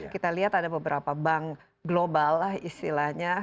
kita lihat ada beberapa bank global lah istilahnya